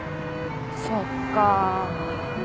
そっか。